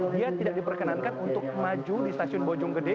dia tidak diperkenankan untuk maju di stasiun bojonggede